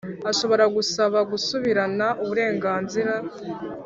ashobora gusaba gusubirana uburenganzira